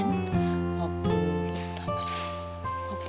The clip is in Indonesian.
ini udah berapa